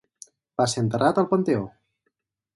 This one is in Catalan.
Va ser enterrat al Panteó.